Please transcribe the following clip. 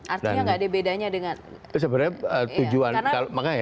artinya tidak ada bedanya dengan